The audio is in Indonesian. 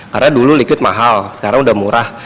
karena dulu liquid mahal sekarang udah murah